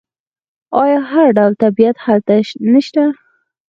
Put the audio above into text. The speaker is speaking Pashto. آیا هر ډول طبیعت هلته نشته؟